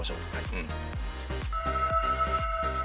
うん。